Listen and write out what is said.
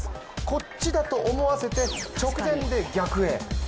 こっちだと思わせて直前で逆へ。